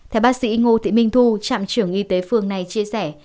theo bác sĩ ngô thị minh thu trạm trưởng y tế phường này chia sẻ